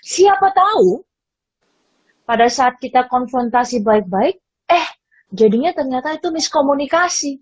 siapa tahu pada saat kita konfrontasi baik baik eh jadinya ternyata itu miskomunikasi